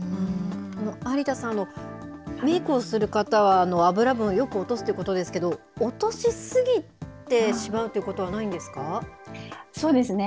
有田さん、メークをする方は油分をよく落とすということですけれども、落とし過ぎてしまうということはないんですか。